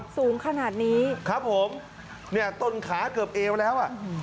สูงขนาดนี้ครับผมต้นขาเกือบเอวแล้ว